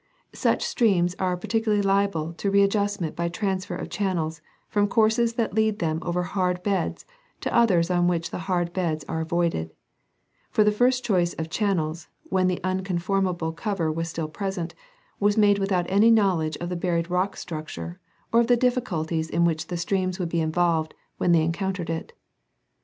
Such streams are particularly liable to readjustment by transfer of channels from courses that lead them over hard beds to others on which the hard beds are avoided ; for the first choice of channels, when the unconformable cover was still present, was made without any knowledge of the buried rock structure or of the difficulties in which the streams would be involved when they encountered it.